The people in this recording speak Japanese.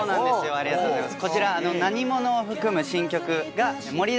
ありがとうございます。